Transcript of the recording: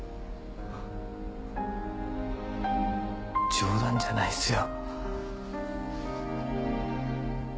冗談じゃないっすよ。